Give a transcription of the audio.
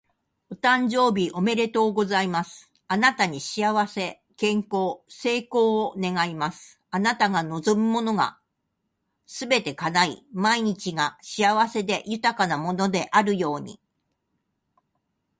お誕生日おめでとうございます！あなたに幸せ、健康、成功を願います。あなたが望むものがすべて叶い、毎日が幸せで豊かなものであるように。